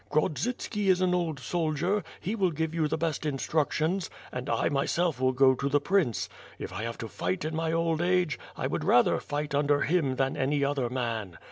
Grodzitski is an old soldier; he will give you the best instructions, and I myself will go to the prince; if I have to fight in my old age, I would rather fight under him than any other man.